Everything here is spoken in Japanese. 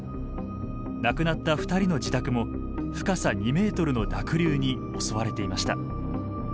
亡くなった２人の自宅も深さ２ｍの濁流に襲われていました。